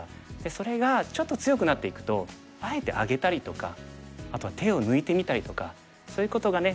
それがちょっと強くなっていくとあえてあげたりとかあとは手を抜いてみたりとかそういうことがね